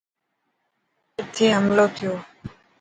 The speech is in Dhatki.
اٿي حملو ٿيو.